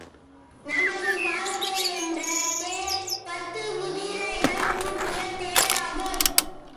நமது வாழ்க்கை என்ற தேர் பத்துக் குதிரைகள் பூட்டிய தேர் ஆகும்.